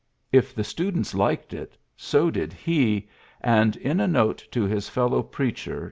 II the students liked it, so did he, and i\ a note to his fellow preacher, I>.